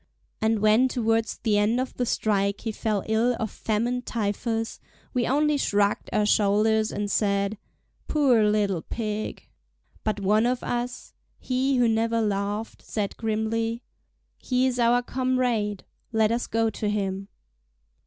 And when towards the end of the strike he fell ill of famine typhus, we only shrugged our shoulders and said: "Poor little Pig!" But one of us—he who never laughed—said grimly: "He is our comrade, let us go to him."